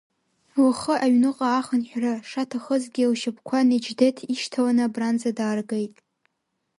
Лхы аҩныҟа ахынҳәра шаҭахызгьы, лшьапқәа Неџьдеҭ ишьҭаланы абранӡа дааргеит…